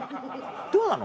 どうなの？